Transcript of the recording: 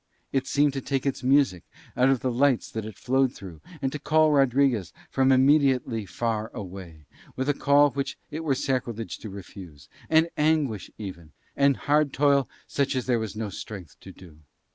It seemed to take its music out of the lights that it flowed through and to call Rodriguez from immediately far away, with a call which it were sacrilege to refuse, and anguish even, and hard toil such as there was no strength to do.